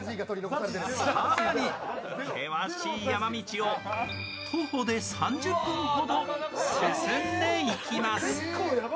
更に険しい山道を徒歩で３０分ほど進んでいきます。